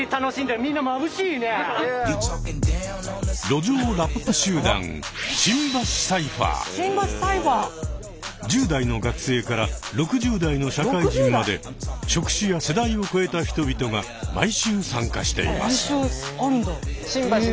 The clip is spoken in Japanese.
路上ラップ集団１０代の学生から６０代の社会人まで職種や世代を超えた人々が毎週参加しています。